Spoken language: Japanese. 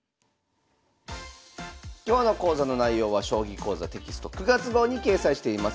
今日の講座の内容は「将棋講座」テキスト９月号に掲載しています。